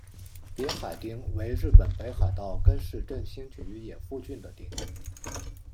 别海町为日本北海道根室振兴局野付郡的町。